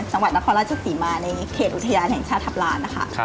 จังหวัดนครราชศรีมาในเขตอุทยานแห่งชาติทัพลานนะคะ